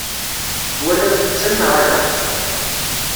Twalamt-ten neɣ ala?